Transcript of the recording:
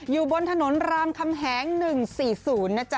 อยู่บนถนนรามคำแหง๑๔๐นะจ๊